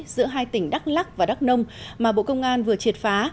giữa hai tỉnh đắk lắc và đắk nông mà bộ công an vừa triệt phá